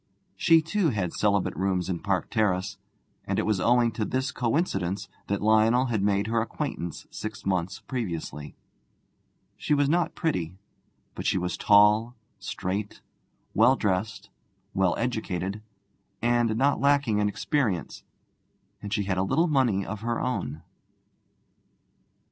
She, too, had celibate rooms in Park Terrace, and it was owing to this coincidence that Lionel had made her acquaintance six months previously. She was not pretty, but she was tall, straight, well dressed, well educated, and not lacking in experience; and she had a little money of her own.